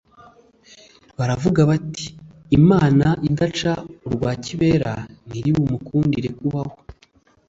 Baravuga bati imana idaca urwakibera ntiribumukundire kubaho